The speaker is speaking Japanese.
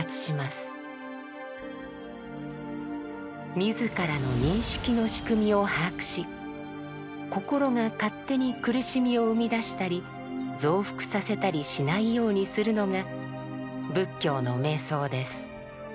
自らの認識の仕組みを把握し心が勝手に苦しみを生み出したり増幅させたりしないようにするのが仏教の瞑想です。